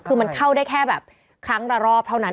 คือมันเข้าได้แค่แบบครั้งละรอบเท่านั้น